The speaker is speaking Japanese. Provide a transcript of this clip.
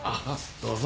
どうぞ。